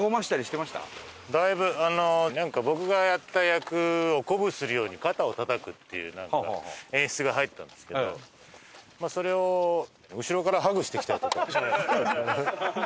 だいぶあのなんか僕がやった役を鼓舞するように肩をたたくっていうなんか演出が入ったんですけどそれを後ろからハグしてきたりとか。